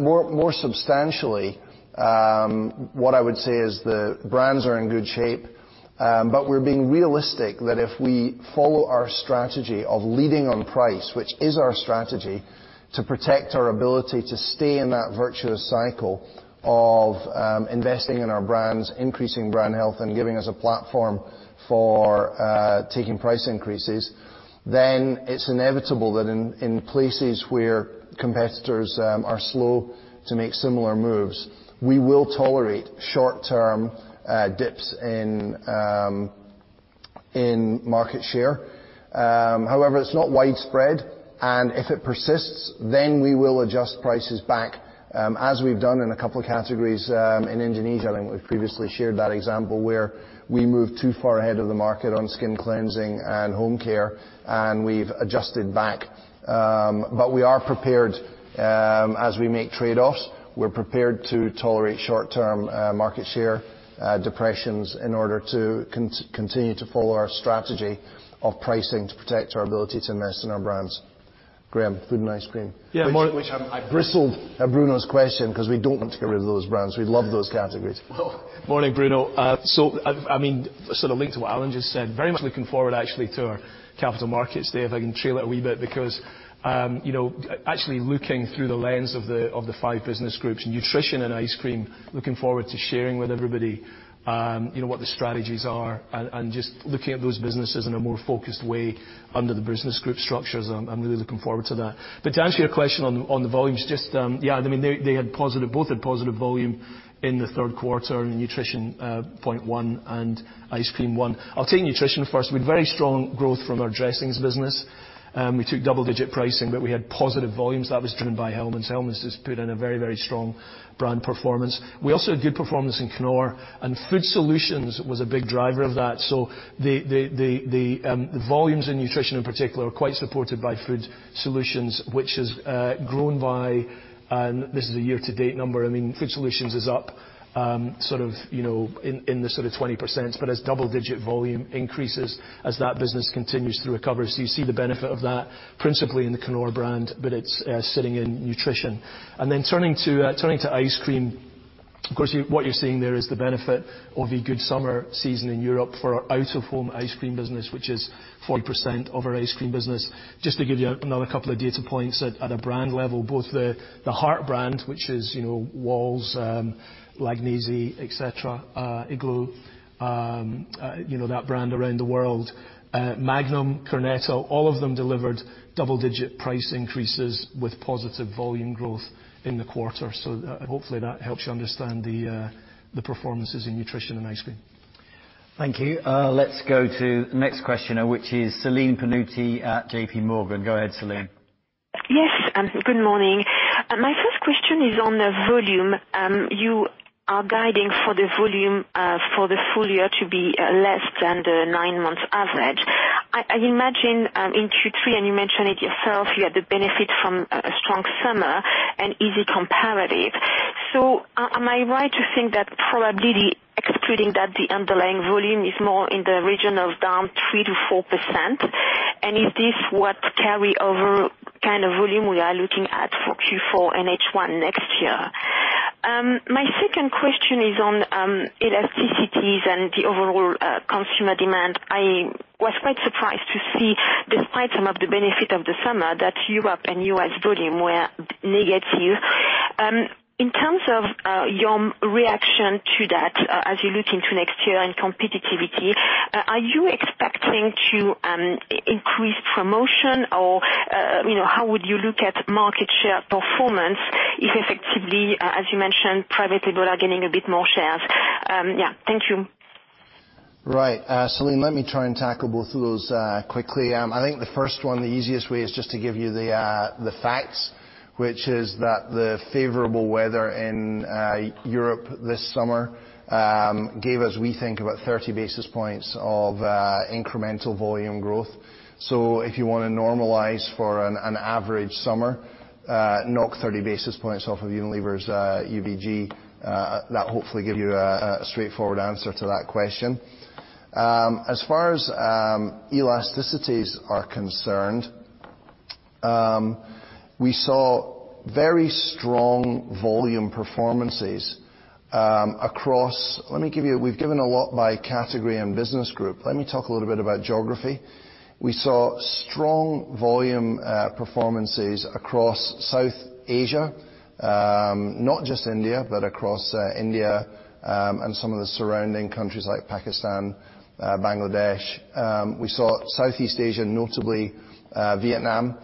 More substantially, what I would say is the brands are in good shape but we're being realistic that if we follow our strategy of leading on price. Which is our strategy to protect our ability to stay in that virtuous cycle of investing in our brands, increasing brand health, and giving us a platform for taking price increases then it's inevitable that in places where competitors are slow to make similar moves, we will tolerate short-term dips in market share. However, it's not widespread, and if it persists, then we will adjust prices back, as we've done in a couple of categories, in Indonesia, and we've previously shared that example where we moved too far ahead of the market on skin cleansing and home care, and we've adjusted back. We are prepared, as we make trade-offs, we're prepared to tolerate short-term market share depressions in order to continue to follow our strategy of pricing to protect our ability to invest in our brands. Graeme, food and ice cream. Yeah. More, which I'm Bristled at Bruno's question 'cause we don't want to get rid of those brands. We love those categories. Morning, Bruno. So, I mean, sort of linked to what Alan just said, very much looking forward, actually, to our Capital Markets Day, if I can trail it a wee bit because, you know, actually looking through the lens of the five business groups, nutrition and ice cream, looking forward to sharing with everybody, you know, what the strategies are and just looking at those businesses in a more focused way under the business group structures. I'm really looking forward to that. To answer your question on the volumes, they had positive volume, both had positive volume in the third quarter in the nutrition, 0.1% and ice cream 1%. I'll take nutrition first. We had very strong growth from our dressings business. We took double-digit pricing, but we had positive volumes. That was driven by Hellmann's. Hellmann's has put in a very, very strong brand performance. We also had good performance in Knorr, and Food Solutions was a big driver of that. The volumes in nutrition in particular were quite supported by Food Solutions, which has grown by, and this is a year-to-date number, I mean, Food Solutions is up sort of in the sort of 20%, but has double digit volume increases as that business continues to recover. You see the benefit of that principally in the Knorr brand, but it's sitting in nutrition. Then turning to ice cream, of course, what you're seeing there is the benefit of a good summer season in Europe for our out-of-home ice cream business, which is 40% of our ice cream business. Just to give you another couple of data points at a brand level, both the Heartbrand, which is, you know, Wall's, Langnese, et cetera, Igloo, you know, that brand around the world, Magnum, Cornetto, all of them delivered double-digit price increases with positive volume growth in the quarter. Hopefully that helps you understand the performances in nutrition and ice cream. Thank you. Let's go to next questioner, which is Celine Pannuti at JPMorgan. Go ahead, Celine. Yes. Good morning. My first question is on the volume. You are guiding for the volume for the full year to be less than the nine-month average. I imagine in Q3, and you mentioned it yourself, you had the benefit from a strong summer and easy comparative. Am I right to think that probably excluding that the underlying volume is more in the region of down 3%-4%? And is this what carry over kind of volume we are looking at for Q4 and H1 next year? My second question is on elasticities and the overall consumer demand. I was quite surprised to see, despite some of the benefit of the summer, that Europe and U.S. volume were negative. In terms of your reaction to that as you look into next year and competitiveness, are you expecting to increase promotion or, you know, how would you look at market share performance if effectively, as you mentioned, private label are gaining a bit more shares? Thank you. Right. Celine, let me try and tackle both of those quickly. I think the first one, the easiest way is just to give you the facts, which is that the favorable weather in Europe this summer gave us, we think, about 30 basis points of incremental volume growth. If you wanna normalize for an average summer, knock 30 basis points off of Unilever's UVG. That hopefully give you a straightforward answer to that question. As far as elasticities are concerned, we saw very strong volume performances across. Let me give you. We've given a lot by category and business group. Let me talk a little bit about geography. We saw strong volume performances across South Asia, not just India, but across India, and some of the surrounding countries like Pakistan, Bangladesh. We saw Southeast Asia, notably, Vietnam.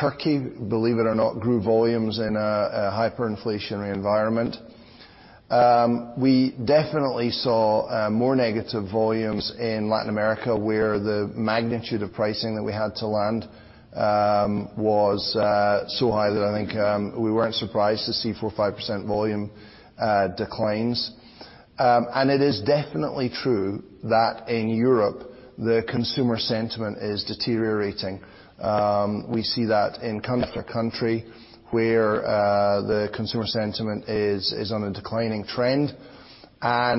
Turkey, believe it or not, grew volumes in a hyperinflationary environment. We definitely saw more negative volumes in Latin America, where the magnitude of pricing that we had to land was so high that I think we weren't surprised to see 4%-5% volume declines. It is definitely true that in Europe, the consumer sentiment is deteriorating. We see that in country to country where the consumer sentiment is on a declining trend. As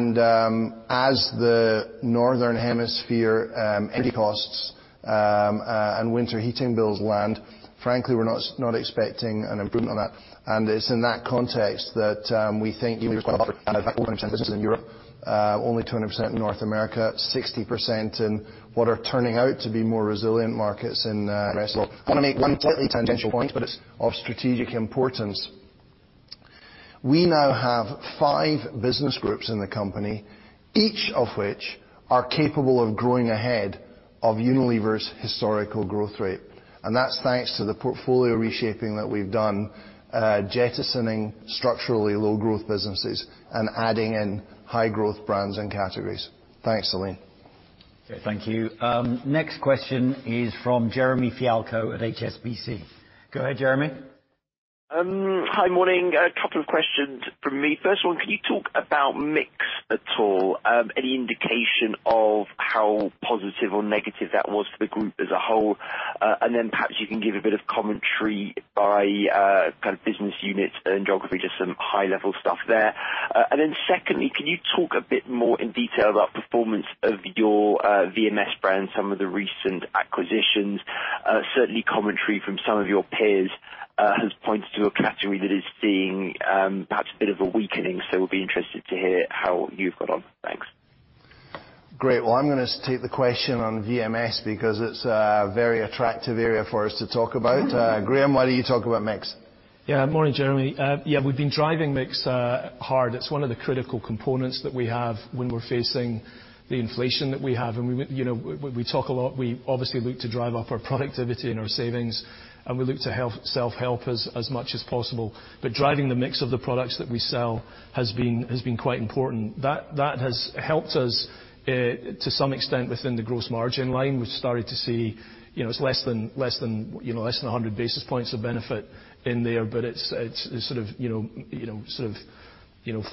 the Northern Hemisphere energy costs and winter heating bills land. Frankly, we're not expecting an improvement on that. It's in that context that we think even 20% business in Europe, only 20% in North America, 60% in what are turning out to be more resilient markets in rest of world. I wanna make one totally tangential point, but it's of strategic importance. We now have five business groups in the company each of which are capable of growing ahead of Unilever's historical growth rate and that's thanks to the portfolio reshaping. We've done, jettisoning structurally low growth businesses and adding in high growth brands and categories. Thanks, Celine. Thank you. Next question is from Jeremy Fialko at HSBC. Go ahead, Jeremy. Hi. Morning. A couple of questions from me. First one, can you talk about mix at all? Any indication of how positive or negative that was for the group as a whole and then perhaps you can give a bit of commentary by kind of business units and geography just some high level stuff there. Secondly, can you talk a bit more in detail about performance of your VMS brand some of the recent acquisitions? Certainly commentary from some of your peers has pointed to a category that is seeing perhaps a bit of a weakening, so we'll be interested to hear how you've got on. Thanks. Great. Well, I'm gonna take the question on VMS because it's a very attractive area for us to talk about. Graeme, why don't you talk about mix? Yeah. Morning, Jeremy. Yeah, we've been driving mix hard. It's one of the critical components that we have when we're facing the inflation that we have. We, you know, talk a lot. We obviously look to drive up our productivity and our savings, and we look to self-help as much as possible. Driving the mix of the products that we sell has been quite important. That has helped us to some extent within the gross margin line. We've started to see, you know, it's less than 100 basis points of benefit in there, but it's sort of 40-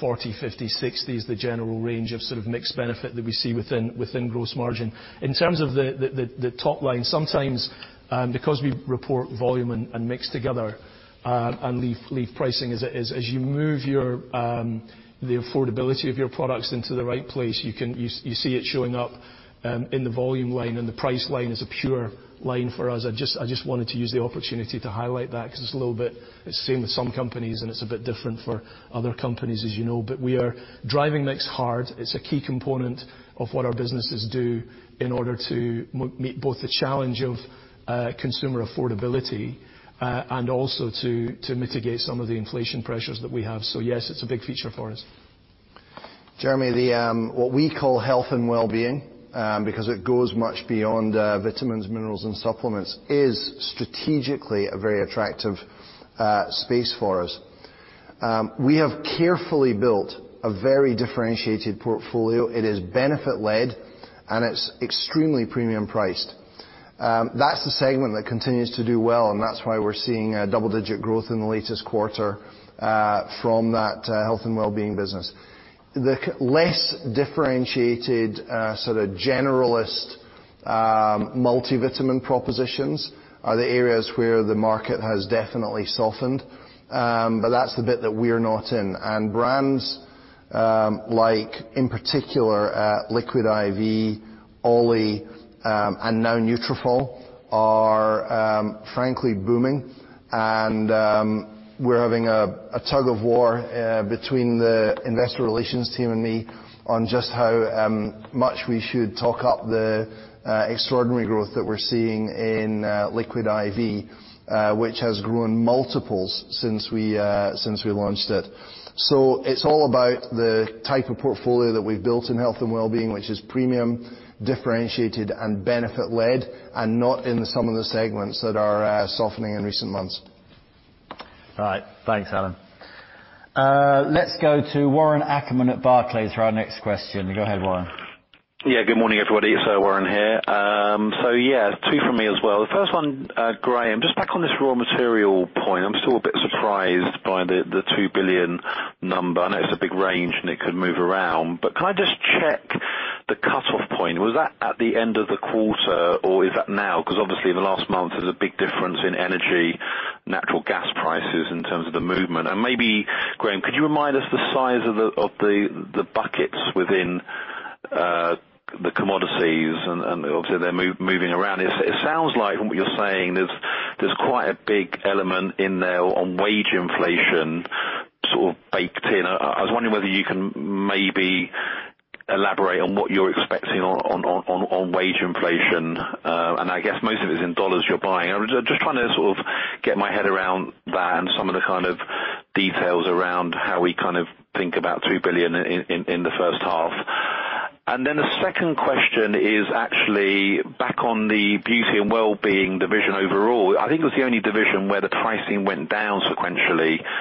50-60 is the general range of sort of mix benefit that we see within gross margin. In terms of the top line, sometimes because we report volume and mix together, and leave pricing as it is as you move the affordability of your products into the right place, you can see it showing up in the volume line, and the price line is a pure line for us. I just wanted to use the opportunity to highlight that because it's a little bit the same with some companies, and it's a bit different for other companies, as you know. We are driving mix hard. It's a key component of what our businesses do in order to meet both the challenge of consumer affordability and also to mitigate some of the inflation pressures that we have. Yes, it's a big feature for us. Jeremy, what we call Health & Wellbeing, because it goes much beyond vitamins, minerals and supplements, is strategically a very attractive space for us. We have carefully built a very differentiated portfolio. It is benefit-led, and it's extremely premium-priced. That's the segment that continues to do well, and that's why we're seeing double-digit growth in the latest quarter from that Health & Wellbeing business. The less differentiated sort of generalist multivitamin propositions are the areas where the market has definitely softened, but that's the bit that we're not in. Brands, like, in particular, Liquid I.V., OLLY, and now Nutrafol are frankly booming and we're having a tug of war between the investor relations team and me on just how much we should talk up the extraordinary growth that we're seeing in Liquid I.V., which has grown multiples since we launched it. It's all about the type of portfolio that we've built in Health & Wellbeing, which is premium, differentiated and benefit led, and not in some of the segments that are softening in recent months. All right. Thanks, Alan. Let's go to Warren Ackerman at Barclays for our next question. Go ahead, Warren. Yeah, good morning, everybody. Warren here. Yeah, two for me as well. The first one, Graeme, just back on this raw material point, I'm still a bit surprised by the 2 billion number. I know it's a big range, and it could move around, but can I just check the cutoff point? Was that at the end of the quarter, or is that now? Because obviously the last month, there's a big difference in energy, natural gas prices in terms of the movement. Maybe, Graeme, could you remind us the size of the buckets within the commodities and obviously they're moving around. It sounds like from what you're saying, there's quite a big element in there on wage inflation sort of baked in. I was wondering whether you can maybe elaborate on what you're expecting on wage inflation. I guess most of it is in dollars you're buying. I was just trying to sort of get my head around that and some of the kind of details around how we kind of think about $2 billion in the H1. The second question is actually back on the beauty and wellbeing division overall. I think it was the only division where the pricing went down sequentially. It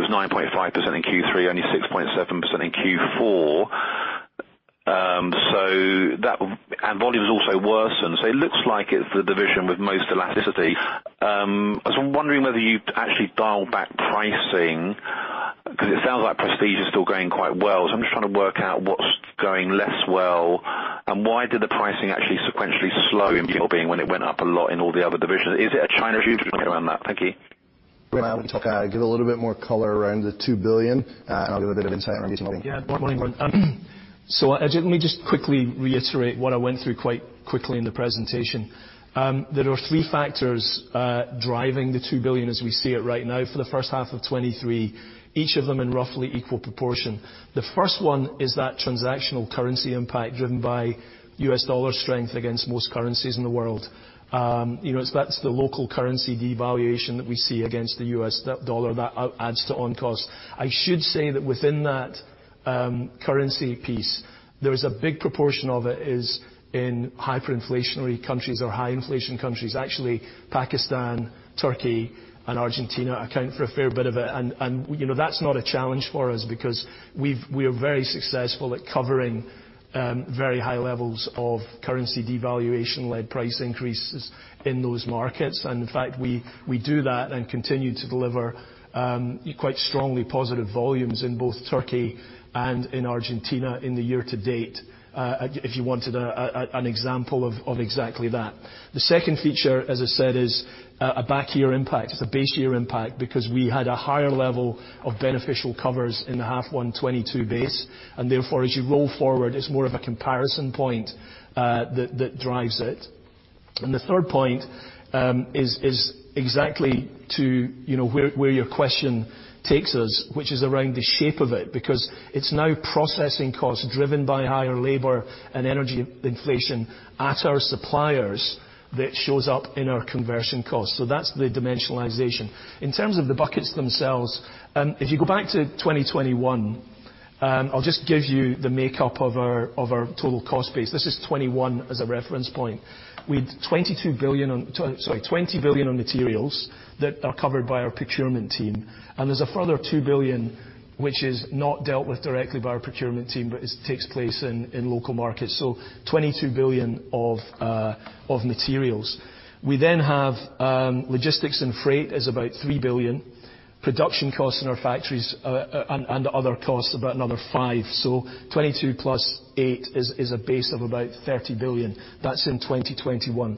was 9.5% in Q3, only 6.7% in Q4. So that and volume has also worsened, so it looks like it's the division with most elasticity. I'm wondering whether you've actually dialed back pricing, 'cause it sounds like Prestige is still growing quite well, so I'm just trying to work out what's growing less well and why did the pricing actually sequentially slow in Wellbeing when it went up a lot in all the other divisions. Is it a China view around that? Thank you. Give a little bit more color around the 2 billion, and I'll give a bit of insight on beauty and wellbeing. Actually, let me just quickly reiterate what I went through quite quickly in the presentation. There are three factors driving 2 billion as we see it right now for the H1 of 2023, each of them in roughly equal proportion. The first one is that transactional currency impact driven by US dollar strength against most currencies in the world. You know, that's the local currency devaluation that we see against the US dollar that adds to input cost. I should say that within that currency piece, there is a big proportion of it is in hyperinflationary countries or high inflation countries. Actually, Pakistan, Turkey, and Argentina account for a fair bit of it. You know, that's not a challenge for us because we are very successful at covering very high levels of currency devaluation-led price increases in those markets. In fact, we do that and continue to deliver quite strongly positive volumes in both Turkey and in Argentina in the year to date, if you wanted an example of exactly that. The second feature, as I said, is a back-year impact. It's a base year impact because we had a higher level of beneficial covers in the half one 2022 base. Therefore, as you roll forward, it's more of a comparison point that drives it. The third point is exactly to you know where your question takes us, which is around the shape of it, because it's now processing costs driven by higher labor and energy inflation at our suppliers that shows up in our conversion costs. That's the dimensionalization. In terms of the buckets themselves, if you go back to 2021, I'll just give you the makeup of our total cost base. This is 2021 as a reference point. With 20 billion on materials that are covered by our procurement team, and there's a further 2 billion, which is not dealt with directly by our procurement team, but it takes place in local markets. 22 billion of materials. We have logistics and freight is about 3 billion. Production costs in our factories and other costs about another 5 billion. 22 billion + 8 billion is a base of about 30 billion. That's in 2021.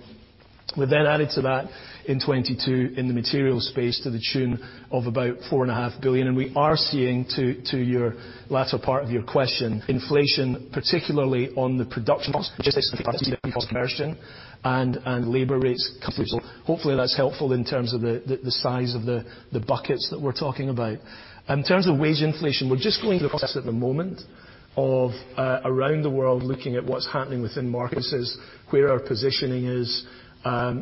We added to that in 2022 in the materials space to the tune of about 4.5 billion. We are seeing to your latter part of your question, inflation, particularly on the production costs, logistics conversion and labor rates. Hopefully that's helpful in terms of the size of the buckets that we're talking about. In terms of wage inflation, we're just going through the process at the moment of around the world, looking at what's happening within markets, where our positioning is,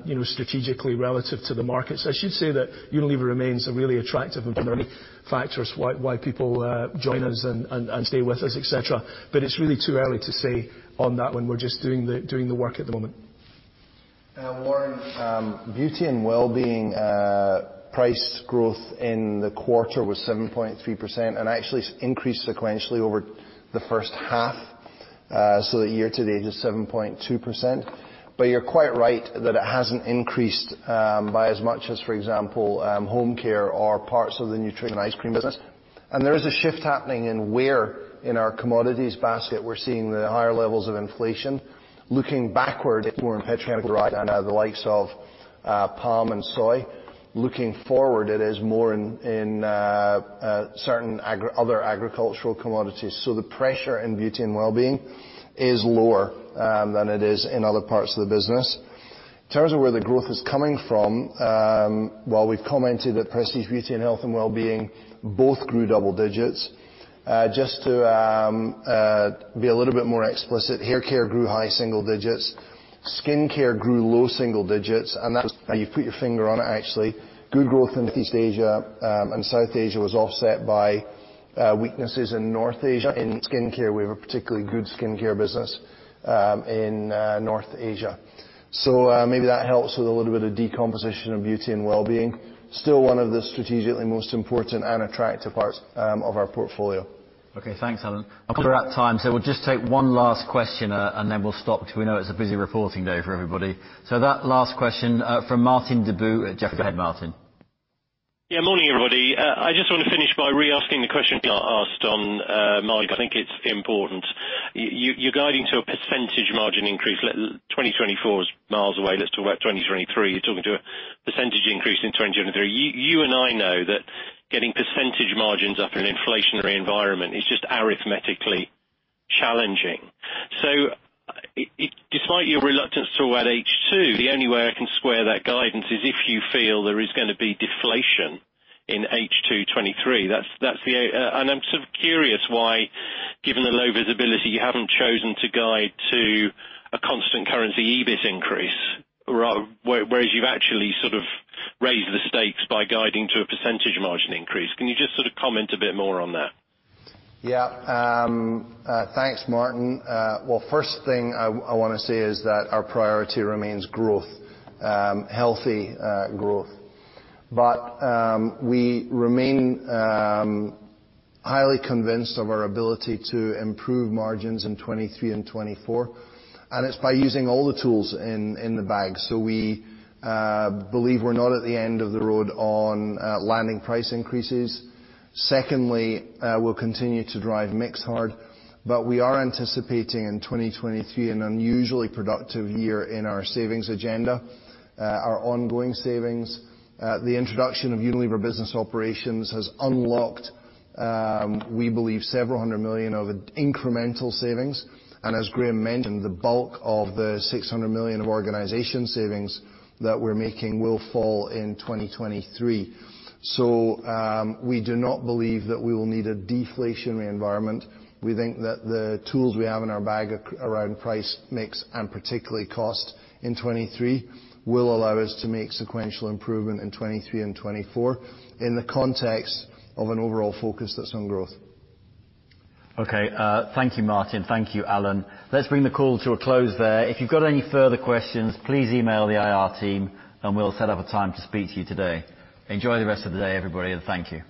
you know, strategically relative to the markets. I should say that Unilever remains a really attractive and primary factor is why people join us and stay with us, et cetera. It's really too early to say on that one. We're just doing the work at the moment. Warren, Beauty and Wellbeing, price growth in the quarter was 7.3% and actually increased sequentially over the H1, so the year-to-date is 7.2%. You're quite right that it hasn't increased by as much as, for example, Home Care or parts of the nutrition ice cream business. There is a shift happening in where in our commodities basket we're seeing the higher levels of inflation. Looking backward, it was more in petro chemicals and the likes of palm and soy. Looking forward, it is more in certain other agricultural commodities. The pressure in Beauty and Wellbeing is lower than it is in other parts of the business. In terms of where the growth is coming from, while we've commented that prestige beauty and health and wellbeing both grew double digits, just to be a little bit more explicit, hair care grew high single digits, skin care grew low single digits. You put your finger on it, actually. Good growth in Southeast Asia and South Asia was offset by weaknesses in North Asia. In skin care, we have a particularly good skin care business in North Asia. So, maybe that helps with a little bit of decomposition of beauty and wellbeing. Still one of the strategically most important and attractive parts of our portfolio. Okay, thanks, Alan. We're about time, so we'll just take one last question, and then we'll stop because we know it's a busy reporting day for everybody. That last question from Martin Deboo at Jefferies. Go ahead, Martin. Yeah. Morning, everybody. I just want to finish by reasking the question I asked on margin. I think it's important. You're guiding to a percentage margin increase. 2024 is miles away. Let's talk about 2023. You're talking to a percentage increase in 2023. You and I know that getting percentage margins up in an inflationary environment is just arithmetically challenging. Despite your reluctance to add H2, the only way I can square that guidance is if you feel there is gonna be deflation in H2 2023. That's the. I'm sort of curious why, given the low visibility, you haven't chosen to guide to a constant currency EBIT increase, whereas you've actually sort of raised the stakes by guiding to a percentage margin increase. Can you just sort of comment a bit more on that? Yeah. Thanks, Martin. Well, first thing I wanna say is that our priority remains growth healthy growth. We remain highly convinced of our ability to improve margins in 2023 and 2024 and it's by using all the tools in the bag. We believe we're not at the end of the road on landing price increases. Secondly, we'll continue to drive mix hard, but we are anticipating in 2023 an unusually productive year in our savings agenda. Our ongoing savings, the introduction of Unilever Business Operations has unlocked. We believe, EUR several hundred million of incremental savings. As Graeme mentioned, the bulk of the 600 million of organization savings that we're making will fall in 2023. We do not believe that we will need a deflationary environment. We think that the tools we have in our bag around price mix and particularly cost in 2023, will allow us to make sequential improvement in 2023 and 2024 in the context of an overall focus that's on growth. Okay. Thank you, Martin. Thank you, Alan. Let's bring the call to a close there. If you've got any further questions, please email the IR team, and we'll set up a time to speak to you today. Enjoy the rest of the day, everybody, and thank you.